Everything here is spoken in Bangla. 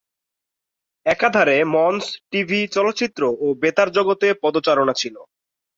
একাধারে মঞ্চ, টিভি, চলচ্চিত্র ও বেতার জগতে পদচারণা ছিল।